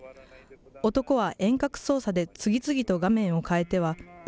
男は遠隔操作で次々と画面を変えてはう